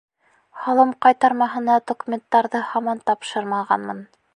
Һалым ҡайтармаһына документтарҙы һаман тапшырмағанмын.